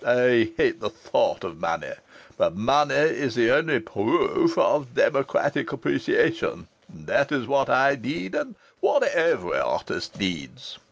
I hate the thought of money. But money is the only proof of democratic appreciation, and that is what I need, and what every artist needs....